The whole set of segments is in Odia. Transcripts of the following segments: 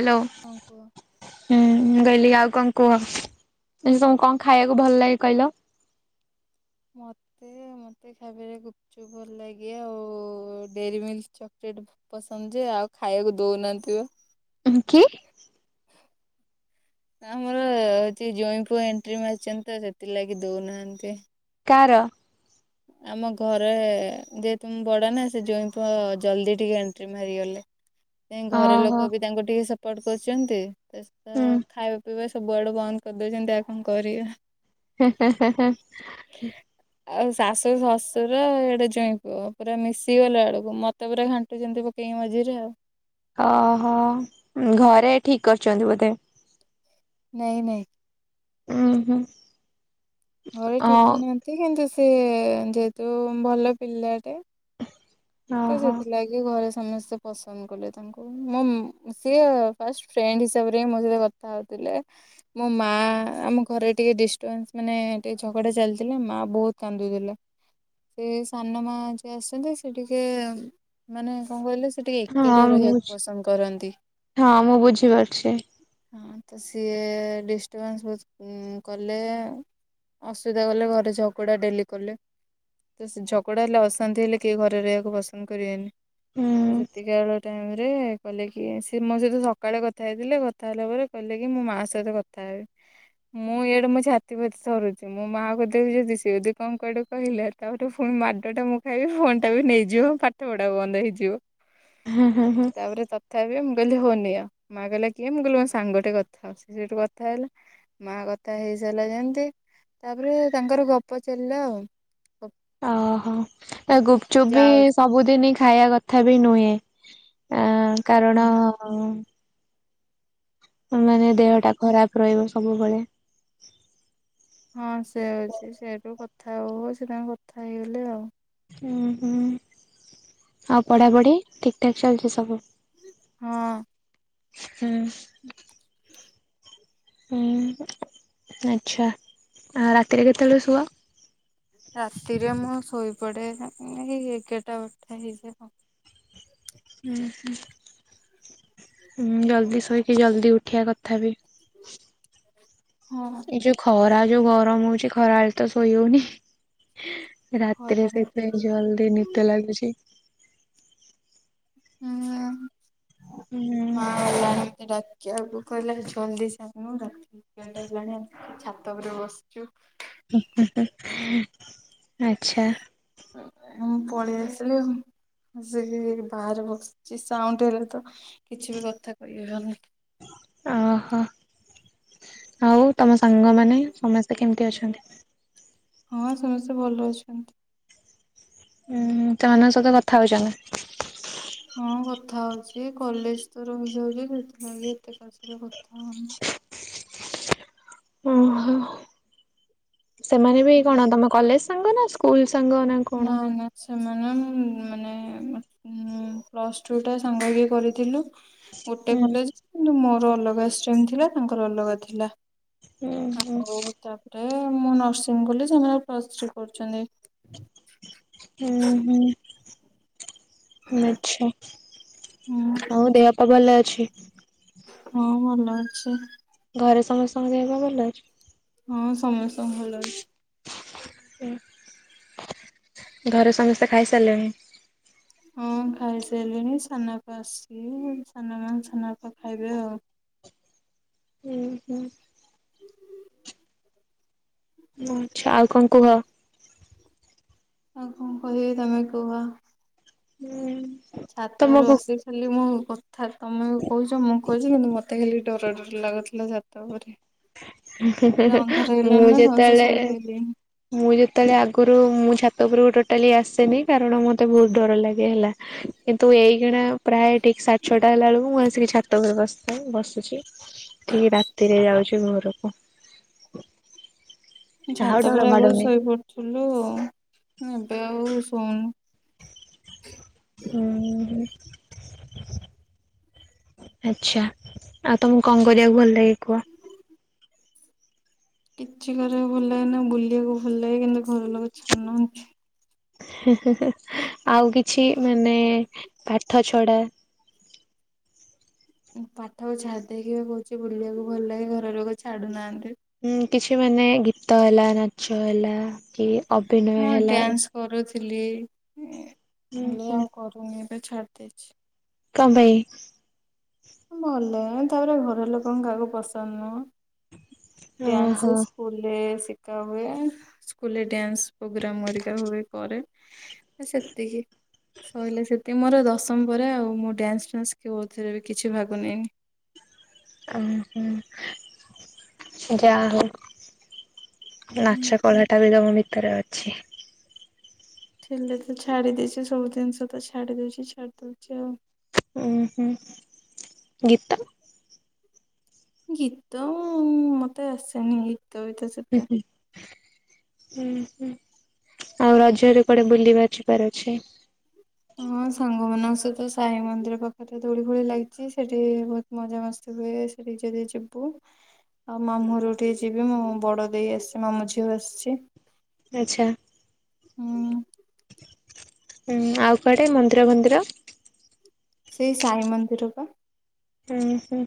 ହାଲୋ। ହଁ, କୁହ? ହୁଁ, ମୁଁ କହିଲି ଆଉ କଣ କୁହ? ମାନେ ତମକୁ କଣ ଖାଇବାକୁ ଭଲ ଲାଗେ କଇଲ? ମତେ, ମତେ ଖାଇବାରେ ଗୁପଚୁ ଗୁପଚୁପ ଭଲ ଲାଗେ ଆଉ, ଡେରି ମିଲ୍କ ଚକୋଲେଟ୍ ଭ ପସନ୍ଦ ଯେ, ଆଉ ଖାଇବାକୁ ଦଉନାହାନ୍ତିି ପା। କାହିଁକି? [inaudible] ଆମର ହଉଚି ଜଇଁପୁଅ ଏଣ୍ଟ୍ରି ମାରିଛନ୍ତି ତ, ସେଥିଲାଗି ଦଉନାହାନ୍ତି। କାହାର? ଆମ ଘରେ ଯେହେତୁ ମୁଁ ବଡ଼ ନା, ସେ ଜୋଇଁ ପୁଅ ଜଲ୍ଦି ଟିକେ ଏଣ୍ଟ୍ରି ମାରିଗଲେ। [inaudible] ଘର ଓହୋ ଲୋକ ବି ତାଙ୍କୁ ଟିକେ ସପୋର୍ଟ କରୁଚନ୍ତି, ତା ସହିତ ହୁଁ ଖାଇବା ପିଇବା ସବୁଆଡୁ ବନ୍ଦ କରିଦଉଚନ୍ତି, ଆଉ କଣ କରିଆ। ହେଁ ହେଁ ହେଁ ହେଁ। ଆଉସ୍ ଶାଶୁ ଶଶୁର, ଏଡେ ଜ୍ୱଇଁ ପୁଅ, ପୁରା ମିଶିଗଲା ବେଳକୁ, ମତେ ପୁରା ଘାଣ୍ଟୁଛନ୍ତି ପକେଇକି ମଝିରେ ଆଉ। ଅ ହ, ଘରେ ଠିକ କରିଚନ୍ତି ବୋଧେ। ନାଇଁ ନାଇଁ। ଉଁ ହୁଁ। ଘରେ ଅ ଠିକ ନାହାନ୍ତି କିନ୍ତୁ ସେ, ଯେହେତୁ ଭଲ ପିଲାଟେ [unintelligible] ତ ସେଥିଲାଗି ଘରେ ସମସ୍ତେ ପସନ୍ଦ କଲେ ତାଙ୍କୁ। [unintelligible] ସିଏ ଫାଷ୍ଟ ଫ୍ରେଣ୍ଡ ହିସାବରେ ହିଁ ମୋ ସହିତ କଥା ହଉଥିଲେ। ମୋ ମାଆ, ଆମ ଘରେ ଟିକେ ଡିଷ୍ଟବାନ୍ସ ମାନେ ଟିକେ ଝଗଡ଼ା ଚାଲିଥିଲା, ମାଆ ବହୁତ କାନ୍ଦୁଥିଲେ। ସେ ସାନ ମା ଯିଏ ଆସିଛନ୍ତି, ସେ ଟିକେ, ମାନେ କଣ କହିଲେ ସେ ଟିକେ ହଁ ଏକାଟିଏ ରହିବାକୁ ବୁଝ ପସନ୍ଦ କରନ୍ତି। ହଁ ମୁଁ ବୁଝିପାରୁଛି ହଁ, ତ, ସିଏ ଡିଷ୍ଟର୍ବାନ୍ସ ବହୁତ କଲେ ଏ। ଅସୁବିଧା କଲେ, ଘରେ ଝଗଡ଼ା ଡେଲି କଲେ। ତ ସେ ଝଗଡା ହେଲେ, ଅଶାନ୍ତି ହେଲେ, କେହି ଘରେ ରହିବାକୁ ପସନ୍ଦ କରିବେନି, ହୁଁ। ତ ସେତିକି ଏଳୁ ଟାଇମ ରେ କଇଲେ କି, ସେ ମୋ ସହିତ ସକାଳେ କଥା ହେଇଥିଲେ, କଥା ହେଲା ପରେ କଇଲେ କି, ମୋ ମା ସହିତ କଥା କଥା ହେବେ। ମୁଁ ଇଆଡେ ମୋ ଛାତିଫାତି ଥରୁଛି, ମୋ ମା କୁ ଦେବି ଯଦି, ସେ ଯଦି କଣ କୁଆଡୁ କହିଲା ତା ପରେ ପୁଣି ମାଡ଼ଟା ମୁଁ ଖାଇବି, ଫୋନ ଟା ବି ନେଇଯିବ, ପାଠ ପଢା ବନ୍ଦ ହେଇଯିବ। ହଁ ହଁ ହଁ। ତାପରେ ତଥାପି ମୁଁ କହିଲି ହଉ ନିଅ, ମା କହିଲା କିଏ? ମୁଁ କହିଲି ମୋ ସାଙ୍ଗ ଟେ କଥା ହଉଛି, ସେଠୁ କଥା ହେଲା। ମା କଥା ହେଇସାରିଲା ଯେମିତି, ତାପରେ ତାଙ୍କର ଗପ ଚାଲିଲା ଆଉ। ଅ ହ, ଗୁପଚୁପ୍ ବି ଯାଉଛି ସବୁଦିନି ଖାଇଆ କଥା ବି ନୁହେଁ। ଅଁ, କାରଣ ମାନେ ହଁ। ଦେହ ଟା ଖରାପ ରହିବ, ସବୁବେଳେ। ହଁ ସେ ଆଉଚି, ସେଇଠୁ କଥା ହଉ ହଉ, ସେ ତାଙ୍କ କଥା ହେଇଗଲେ ଆଉ। ଉଁ ହୁଁ, ଆଉ ପଢାପଢି ଠିକ ଠାକ୍ ଚାଲିଚି ସବୁ? ହଁ ଅ। ହୁଁ। [unintelligible] ହୁଁ ଆଚ୍ଛା ରାତିରେ କେତେବେଳେ ଶୁଅ? ରାତିରେ ମୁଁ ଶୋଇପଡେ ଏଇ ଏଗାରଟା ବାରଟା ହେଇଯାଏ ହଁ। ହୁଁ ହୁଁ ହୁଁ ଜଲ୍ଦି ଶୋଇକି ଜଲ୍ଦି ଉଠିଆ କଥା ବି। ହଁ। ଏଇ ଯୋଉ ଖରା ଯୋଉ ଗରମ ହଉଚି ଖରାବେଳେ ତ ଶୋଇ ହଉନି। ରାତିରେ ଖରାରେ ସେଥିପାଇଁ ଜଲଦି ହୁଁ। ନିଦ ଲାଗୁଛି। ହୁଁ ହୁଁ ମାଆ [inaudible] ଡାକିଆକୁ କହିଲେ ଜଲ୍ଦି ଶୋଉନୁ ଡାକ ଏଗାରଟା ହେଲାଣି ଛାତ ଉପରେ ବସଚୁ। ହୁଁ ହୁଁ ହୁଁ ଆଚ୍ଛା। ଉଁ ମୁଁ ପଳେଇ ଆସିଲି ଆଉ। ମୁଁ ସେଇଥି ପାଇଁ ଏଇ ବାହାରେ ବସଚି ସାଉଣ୍ଡ ହେଲେ ତ କିଛି ବି କଥା କହି ହବନି। ଅହ ଆଉ ତମ ସାଙ୍ଗମାନେ ସମସ୍ତେ କେମିତି ଅଛନ୍ତି? ହଁ ସମସ୍ତେ ଭଲ ଅଛନ୍ତି। ହୁଁ ହୁଁ ସେମାନଙ୍କ ସହିତ କଥା ହଉଚନ୍ତି। ହଁ କଥା ହଉଚି ଏ କଲେଜ ତ ରହିଯାଉଚି ସେଥିଲାଗି ଏତେ କାହା ସହିତ କଥା ହଉନି। ଓହୋ ସେମାନେ ବି କଣ ତମ କଲେଜ ସାଙ୍ଗ ନା ସ୍କୁଲ ସାଙ୍ଗ ନା। କଣ? ନା ନା ସେମାନେ ଉଁ ମାନେ ହୁଁ ପ୍ଲସ ଟୁ ଟା ସାଙ୍ଗ ହେଇକି କରିଥିଲୁ। ଗୋଟେ ହୁଁ କଲେଜ କିନ୍ତୁ ମୋର ଅଲଗା ଷ୍ଟ୍ରିମ୍ ଥିଲା ତାଙ୍କର ଅଲଗା ଥିଲା। ହୁଁ ଆଉ ତାପରେ ମୁଁ ନର୍ସିଂ କଲି ସେମାନେ ପ୍ଲସ ଥ୍ରୀ କରୁଚନ୍ତି। [inaudible] ହୁଁ ହୁଁ। ହୁଁ ଆଚ୍ଛା ହୁଁ ଆଉ ଦେହ ପା ଭଲ ଅଛି? ହଁ ଭଲ ଅଛି। ଘରେ ସମସ୍ତଙ୍କ ଦେହ ପା ଭଲ ଅଛି? ହଁ ସମେସ୍ତ ଭଲ ଅଛି। ହୁଁ ଘରେ ସମସ୍ତେ ଖାଇସାରିଲେଣି। ହଁ ଖାଇ ସାଇଲେଣି ସାନାଆପା ଆସିବେ ସାନମାଆ ସାନାଆପା ଖାଇବେ ଆଉ। ହୁଁ ହୁଁ। ଓ ଆଚ୍ଛା ଆଉ କଣ କୁହ। ଆଉ କଣ କହିବି ତମେ କୁହ। ହୁଁ। ଛାତ ଉପରେ ତମକୁ ବସିଛି। ଖାଲି ମୁଁ କଥା ତମେ କହୁଚ ମୁଁ କହିଚି କିନ୍ତୁ ମତେ ଖାଲି ଡର ଡର ଲାଗୁଥିଲା ଛାତ ଉପରେ ପୁରା ଅନ୍ଧାର ହେଇ ମୁଁ ଗଲାଣିି ନା ସମସ୍ତେ ଯେତେବେଳେ ଶୋଇପଇଲେଇଁ। ମୁଁ ଯେତେବେଳେ ଆଗରୁ ମୁଁ ଛାତ ଉପରକୁ ଟୋଟାଲି ଆସେନି କାରଣ ମତେ ବହୁତ ଡର ଲାଗେ ହେଲା। କିନ୍ତୁ ଏଇକିଣା ପ୍ରାୟେ ଠିକ୍ ସାଡ୍ ଛଅଟା ହେଲା ବେଳକୁ ମୁଁ ଆସିକି ଛାତ ଉପରେ ବସିଥାଏ ବସୁଛି ଠିକ୍ ରାତିରେ ଯାଉଛି ଘରକୁ। ଆଉ ଛାତ ଡର ଉପରେ ଆଗୁରୁ ମାଡୁନି। ଶୋଇପଡୁଥିଲୁ ଏବେ ଆଉ ଶୋଉନୁ। ହୁଁ ହୁଁ। ଆଚ୍ଛା ଆଉ ତମୁକୁ କଣ କରିଆକୁ ଭଲ ଲାଗେ କୁହ। କିଛି କରିଆକୁ ଭଲ ଲାଗେନା ବୁଲିଆକୁ ଭଲ ଲାଗେ କିନ୍ତୁ ଘର ଲୋକ ଛାଡୁ ନାହାଁନ୍ତି। ଆଉ କିଛି ମାନେ ପାଠ ଛଢା। ପାଠ କୁ ଛାଡ଼ି ଦେଇକି କହୁଛି ବୁଲିବାକୁ ଭଲ ଲାଗେ ଘର ଲୋକ ଛାଡୁନାହାନ୍ତି। ହୁଁ କିଛି ମାନେ ଗୀତ ହେଲା ନାଚ ହେଲା କି ଅଭିନୟ ମୁଁ ହେଲା ହୁଁ ଡ୍ୟାନ୍ସ କରୁଥିଲି, ହେଲେ ହୁଁ ଆଉ କରୁ ପୁଣି ଏବେ ଛାଡ଼ି ଦେଇଛି। କ ପାଇଁ? ଭଲଲା ତାପରେ ଘର ଲୋକଙ୍କ କାହାକୁ ପସନ୍ଦ ନୁହ ଡ୍ୟାନ୍ସ ଓହୋ ସ୍କୁ ସ୍କୁଲ୍ ରେ ଶିକା ହୁଏ, ସ୍କୁଲରେ ଡ୍ୟାନ୍ସ ପ୍ରୋଗ୍ରାମହେରିକା ହୁଏ କରେ। ସେତିକି ସଇଲେ ସେତିକି ମୋର ଦଶମ ପରେ ଆଉ ମୁଁ ଡ୍ୟାନ୍ସ ଫ୍ୟାନ୍ସ କଉଥିରେ ବି କିଛି ଭାଗ ନେଇନି। ଓ ହ ଯାହା ହଉ। ହୁଁ ନାଚ କଳା ଟା ବି ତମ ଭିତରେ ଅଛି। ଥିଲେ ତ ଛାଡି ଦେଇଛି ସବୁ ଜିନିଷ ତ ଛାଡି ଦଉଛି ଛାଡି ଦଉଛି ଆଉ। ଉ ହୁଁ ଗୀତ। ଗୀତ ମତେ ଆସେନି ଗୀତ ବି ତ। ହୁଁ ହୁଁ। ହୁଁ ହୁଁ, ଆଉ ରଜରେ କୁଆଡେ ବୁଲି ବା ଜୀବାର ଅଛି? ହଁ ସାଙ୍ଗମାନଙ୍କ ସହିତ ସାଇ ମନ୍ଦିର ପାଖରେ ଦୋଳି ଫୋଳି ଲାଗିଛି ସେଠି ମଜା ମସ୍ତି ହୁଏ ସେଠି ଯଦି ଯିବୁ। ଆଉ ମାମୁଁହରୁ ଟିକେ ଯିବି ମୋ ବଡ ଦେଇ ଆସିଛି ମାମୁ ଝିଅ ଆସିଚି। ଆଛା, ହୁଁ ଉଁ ଆଉ କୁଆଡେ ମନ୍ଦିର ମନ୍ଦିର। ସେଇ ସାଇ ମନ୍ଦିର ପା। ହୁଁ ହୁଁ।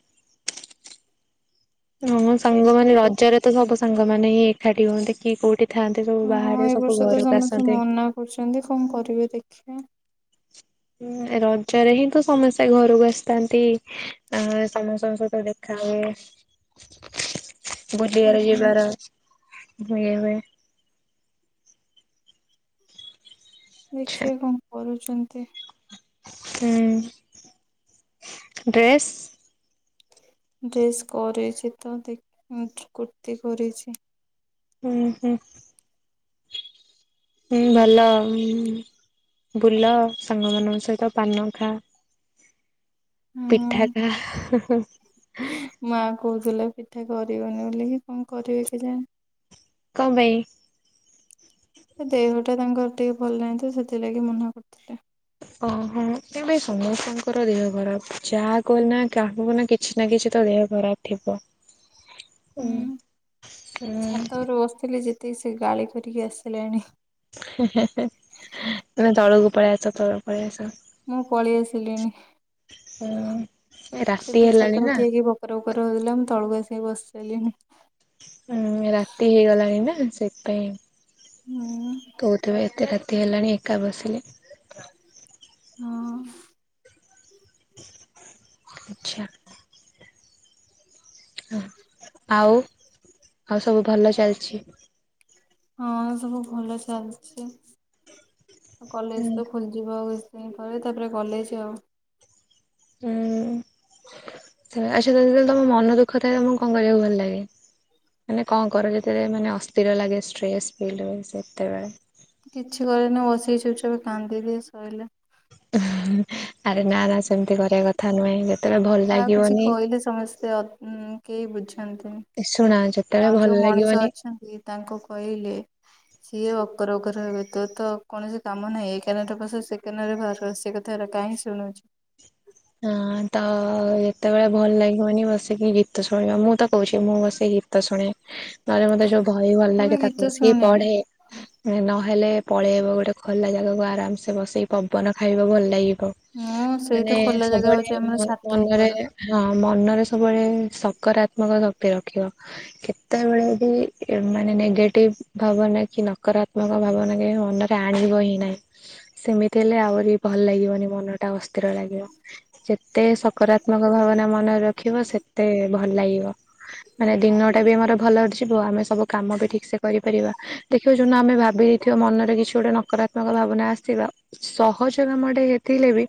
ହଁ ସେଇଠି ସାଙ୍ଗମାନେ ରଜରେ ତ ସବୁ ସାଙ୍ଗମାନେ ହିଁ ଏକାଠି ହୁଅନ୍ତି, କିଏ କୋଉଠି ଥାଆନ୍ତେ ସବୁ ବାହାରେ ସବୁ ଘରକୁ ଆସନ୍ତେ। କହୁଚନ୍ତି କଣ କରିବେ ଦେଖିଆ। ଉଁ ରଜରେ ହିଁ ତ ସମସ୍ତେ ଘରକୁ ଆସିଥାନ୍ତି। ଆ ସମସ୍ତଙ୍କ ସହିତ ଦେଖା ହୁଏ। ବୁଲିବାରେ ହୁଁ ଯିବାର ହୁଏ ହୁଏ। ଆଛା ଦେଖିଆ କଣ କରୁଛନ୍ତି? ହୁଁ, ଡ୍ରେସ୍ ଡ୍ରେସ୍ କରଛି ତ ଦେଖ କୁର୍ତ୍ତିୀ କରିଛି। ହୁଁ ହୁଁ। ହୁଁ ଭଲ ବୁଲ ସାଙ୍ଗମାନଙ୍କ ସହିତ ପାନ ଖା। ପିଠା ହଁ ଖା। ମା କହୁଥିଲା ପିଠା କରିବନି ବୋଲିକି କଣ କରିବେ କେଜାଣି। କଁ ପାଇଁ? ସେ ଦେହଟା ତାଙ୍କର ଟିକେ ଭଲ ନାହିଁ ତ ସେଥିଲାଗି ମନା କରିୁଥିଲେ। ଓହଁ ତ ଭାଇ ସମସ୍ତଙ୍କର ଦେହ ଖରାପ ଯାହା କହ ନା କାହାକୁବ ନା କି କିଛି ନା କିଛି ତ ଦେହ ଖରାପ ଥିବ। ଉଁ ହୁଁ ଉଁ ଛାତରୁ ବସିଥିଲି ଯେତକି ସେ ଗାଳି କରିକି ଆସିଲେଣି। ତମେ ତଳକୁ ପଳେଇ ଆସ, ତଳକୁ ପଳେଇ ଆସ। ମୁଁ ପଳି ଆସିଲିଣି, ଉଁ। ସେ ରାତି ତ ହେଲାଣି ଛାତ ରେ ନା ଠିଆ ହେଇକି ଗ ଗପର ଉପର ହଉଥିଲା ମୁ ତଳକୁ ଆସି ବସିସାଇଲିଣି। ଉଁ ରାତି ହେଇଗଲାଣି ନା ସେଥିପାଇଁ ହୁଁ କହୁଥିବେ ଏତେ ରାତି ରାତି ହେଲାଣି ଏକା ବସିଲେ ହଁ। ଆଚ୍ଛା। ଆଉ ଆଉ ସବୁ ଭଲ ଚାଲିଚି। ହଁ ସବୁ ଭଲ ଚାଲିଚି ଆକଲେଜତ ଖୋଲି ଯିବ ଆଉ କିଛି ଦିନପରେ ତାପରେ କଲେଜ୍ ଆଉ। ହୁଁ ଆଚ୍ଛା ଯେତେଳେ ତମମନ ଦୁଃଖ ଥାଏ ତମକୁ କଣ କରିବାକୁ ଭଲ ଲାଗେ? ମାନେ କଣ କର ଯେତେଳେ ମାନେ ଅସ୍ଥିର ଲାଗେ ଷ୍ଟ୍ରେସ୍ ଫିଲ୍ ହୁଏ ସେତେବେଳେ? କିଛି କରେନି ବସିକି ଚୁପଚାପ୍ କାନ୍ଦିଦିଏ ଶଇଲା। ଆରେ ନା ନା ସେମିତି କରିବା କଥା ନୁହେଁ ଯେ କାହାକୁ କିଛି କହିଲେ ସମସ୍ତେ ଅ କେହି ବୁଝନ୍ତିନି। ଶୁଣ ଯେତେବେଳେ ଆଉ ଭଲ ଯୋଉ ମଣିଷ ଲାଗିବନି ଅଛନ୍ତି ତାଙ୍କୁ କହିଲେ ସିଏ ଅକର ଅକର ହେବେତ ତକୌଣସି କାମ ନାହିଁ ଏକାନରେ ପସେ ସେକାନରେ ବାହାରୁ ଆସେ ଥର କାହିଁ ଶୁଣୁଚି। ହଁ ତଯେତେବେଳେ ଭଲ ଲାଗିବନି ବସିକି ଗୀତ ଶୁଣିବା ମୁଁତ କହୁଚି ମୁଁ ବସିକି ଗୀତ ଶୁଣେ। ନହଲେ ମତେ ଯୋଉ ଭହି ଭଲ ମୁଁ ବି ଲାଗେ ଗୀତ ତାକୁ ମିଶିକି ଶୁଣେ ପଢେ ନହେଲେ ପଳେଇବ ଗୋଟେ ଖୋଲା ଜାଗାକୁ ଆରାମସେ ବସେଇକି ପବନ ଖାଇବ ଭଲ ଲାଗିବ। ମୁଁ ମାନେ ସେଇତ ଖୋଲା ଜାଗା ସବୁବେଳେ ହଉଚି ଆମର ମ ଛାତ ମନରେ ଉପର। ହଁ ମନରେ ସବୁବେଳେ ସକାରାତ୍ମକ ଶକ୍ତି ରଖିବ। କେତେବେଳେବି ମାନେ ନେଗେଟିଭ ଭାବନାକି ନକାତ୍ମକ ଭାବନାକି ମନ ଆଣିବ ହିଁ ନହିଁ ସେମିତି ହେଲେ ଆହୁରି ଭଲ ଲାଗିବନି ମନଟା ଅସ୍ଥିର ଲାଗିବ ଯେତେ ସକାରାତ୍ମକ ଭାବନା ମନରେ ରଖିବ ସେତେ ଭଲ ଲାଗିବ। ମାନେ ଦିନଟାବି ଆମର ଭଲରେ ଯିବ ଆମେ ସବୁ କାମବି ଠିକସେ କରିପାରିବା। ଦେଖିବ ଯଉନ ଆମେ ଭାବି ଦେଇଥିବା ମନରେ କିଛି ଗୋଟେ ନକରାତ୍ମକ ଭାବନା ଆସଥିବା ସହଜ କାମଟେ ହେଇଥିଲେବି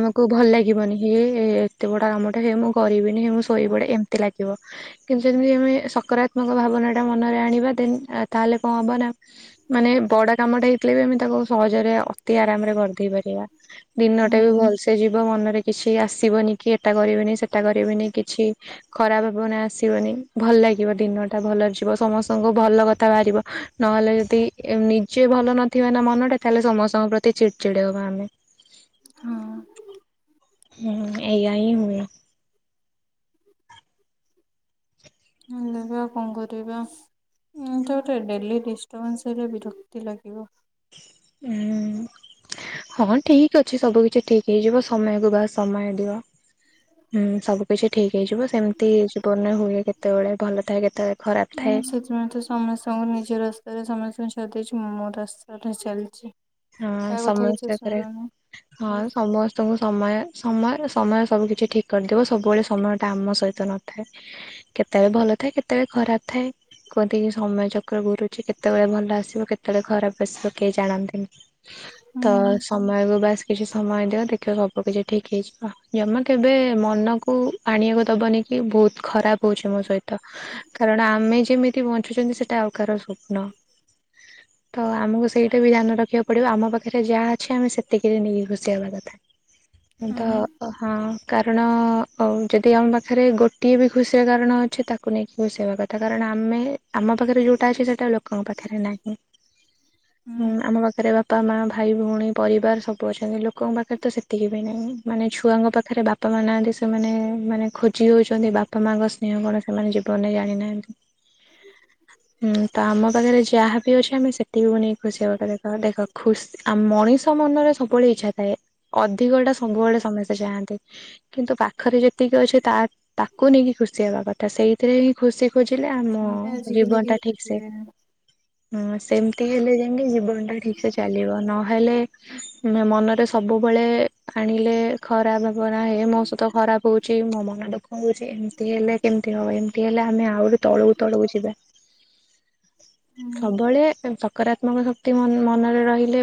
ଆମକୁ ଭଲ ଲାଗେ ଲାଗିବନି ହେ ଏତେ ବଡ଼ କାମଟେ ହେମୁଁ କରିବିନି ମୁଁ ଶୋଇପଡ଼େ ଏମତି ଲାଗିବ କିନ୍ତୁ ଯେମିତି ଆମେ ସକାରାତ୍ମକ ଭାବନାଟା ମନରେ ଆଣିବା ଦେନ୍ ତାହଲେ କଣ ହବନା ମାନେ ବଡ଼ କାମଟା ହେଇଥିଲେବି ଆମେ ତାକୁ ସହଜରେ ଅତି ଆରାମରେ କରିଦେଇ ପାରିବା। ହୁଁ ଦିନଟାବି ଭଲସେ ଯିବ ମନରେ କିଛି ଆସିବନି କିଏଟା କରିବିନି ସେଟା କରିବିନି କିଛି ଖରାପ ଭାବନା ଆସିବନି ଭଲ ଲାଗିବ ଦିନଟା ଭଲରେ ଯିବ ସମସ୍ତଙ୍କୁ ଭଲ କଥା ବାହାରିବ ନହେଲେ ଯଦି ନିଜେ ଭଲ ନଥିବନା ମନଟା ତାହେଲେ ସମସ୍ତଙ୍କ ପ୍ରତି ଚିଡ଼ିଚିଡ଼ି ହବା ଆମେ। ହଁ ହୁଁ ଏଇଆା ହିଁ ହୁଏ। ହେଲେଯେ ଆଉ କଣ କରିବା? ଉଁଏଟା ଗୋଟେ ଡେଲି ଡିଷ୍ଟ୍ରବାନ୍‌ସ ହେଲେ ବିରକ୍ତି ଲାଗିବ। ହୁଁ ହଁ ଠିକ୍ ଅଛି ସବୁ କିଛି ଠିକ୍ ହେଇଯିବ ସମୟକୁ ବାସ୍ ସମୟ ଦିଅ। ହୁଁ ସବୁ କିିଛି ଠିକ୍ ହେଇଯିବ ସେମିତି ଜୀବନରେ ହୁଏ କେତେବେଳେ ଭଲ ଥାଏ କେତେ ନାଁମୁଁ ସେତି ମୁଁତ ସମସ୍ତଙ୍କୁ ନିଜ ରାସ୍ତାରେ ସମସ୍ତଙ୍କୁ ଛାଡ଼ିଦେଇଚି ମୁଁ ମୋରାସ୍ତାରେ ଚାଲିଚି। ହଁ ସମସ୍ତେ ଘରେ ହଁ ବାସ୍ ସମସ୍ତେ ତଙ୍କୁ ସମୟ ସମୟ ସମୟ ସବୁ କିଛି ଠିକ୍ କରିଦବ ସବୁବେଳେ ସମୟଟା ଆମ ସହିତ ନଥାଏ। କେତେବେଳେ ଭଲ ଥାଏ କେତେବେଳେ ଖରାପ୍ ଥାଏ। କୁହନ୍ତିକି ସମୟ ଚକ୍ର ଘୁରୁଚି କେତେବେଳେ ଭଲ ଆସିବ କେତେବେଳେ ଖରାପ ଆସିବ କେହି ଜାଣନ୍ତିନି। ହୁଁ ତ ସମୟକୁ ବାସ୍ କିଛି ସମୟ ଦିଅ ଦେଖିବ ସବୁ କିଛି ଠିକ ହେଇଯିବ। ଜମା କେବେ ମନକୁ ଆଣିଆକୁ ଦବନି କି ବହୁତ ଖରାପ ହଉଚ ମୋ ସହିତ। କାରଣ ଆମେ ଯେମିତି ବଞ୍ଚୁଛନ୍ତି ସେଟା ଆଉ କାହାର ସ୍ୱପ୍ନ। ତ ଆମକୁ ସେଇଟା ବି ଧ୍ୟାନ ରଖିବାକୁ ପଡ଼ିବ ଆମ ପାଖରେ ଯାହା ଅଛି ଆମେ ସେତିକିରେ ନେଇକି ଖୁସି ହେବା କଥା। ତ ହୁଁ ଅ ହଁ କାରଣ ଯଦି ଆମ ପାଖରେ ଗୋଟିଏ ବି ଖୁସିିର କାରଣ ଅଛି ତାକୁ ନେଇକି ଖୁସି ହେବା କଥା। ସେଟା କାରଣ ଆମେ ଆମ ପାଖରେ ଯଉଟା ଅଛି ସେଇଟା ଲୋକଙ୍କ ପାଖରେ ନାହିଁ। ହୁଁ ଆମ ପାଖରେ ବାପ ବାପା, ମା, ଭାଇ, ଭଉଣୀ, ପରିବାର ସବୁ ଅଛନ୍ତି। ଲୋକଙ୍କ ପାଖରେ ତ ସେତିକି ବି ନାହିଁ। ମାନେ ଛୁଆଙ୍କ ପାଖରେ ବାପା ବାପା ମା ନାହାନ୍ତି ସେମାନେ ମାନେ ଖୋଜି ହଉଛନ୍ତି ବାପା ମାଙ୍କ ସ୍ନେହ କଣ ସେମାନେ ଜୀବନରେ ଜାଣିନାହାନ୍ତି। [inaudible] ହଁ, ‌ ତ ଆମ ପାଖରେ ଯାହାବି ଅଛି ଆମେ ସେତିକିକୁ ନେଇ ଖୁସି ହବା କଥା। ଦେଖ ଖୁସି ଆ ମଣିଷ ମନରେ ସବୁବେଳେ ଇଚ୍ଛା ଥାଏ। ଅଧିକ ଟା ସବୁବେଳେ ସମସ୍ତେ ଚାହାଁନ୍ତି। କିନ୍ତୁ ପାଖରେ ଯେତିକି ଅଛି ତା ତାକୁ ନେଇକି ଖୁସି ହେବା କଥା। ସେଇଥିରେ ହିଁ ଖୁସି ଖୋଜିଲେ ଆମ ସେଇଟା ଆଜିକାଲି କେହି ଜୀବନଟା ଠିକ ସେ ଖୋଜିବେନି। ହଁ ସେମିତି ହେଲେ ଯାଇଁକି ଜୀବନଟା ଠିକ ସେ ଚାଲିବ। ନହେଲେ ମନରେ ସବୁବେଳେ ଆଣିଲେ ଖରାପ ଭାବନା, ହେ ମୋ ସହିତ ଖରାପ ହଉଛି, ମୋ ମନଟା କହୁଛି ଏମିତି ହେଲେ କେମିତି ହବ? ଏମତି ହେଲେ ଆମେ ଆହୁରି ତଳକୁ ତଳକୁ ଯିବା। ହୁଁ। ସବୁବେଳେ ସକାରାତ୍ମକ ଶକ୍ତି ମନ ମନରେ ରହିଲେ